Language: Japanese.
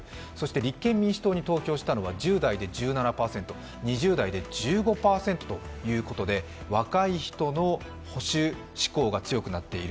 立憲民主党に投票したのは１０代で１７％、２０代で１５％ということで若い人の保守志向が強くなっている。